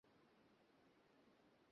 আমি তোমার বাসায় খবর পাঠিয়ে দিচ্ছি।